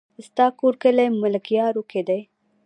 ستا کور کلي ملكيارو کې دی؟